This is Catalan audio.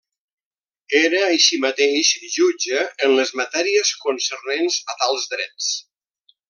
Era així mateix jutge en les matèries concernents a tals drets.